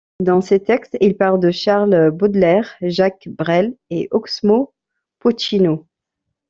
Dans ses textes, il parle de Charles Baudelaire, Jacques Brel et Oxmo Puccino.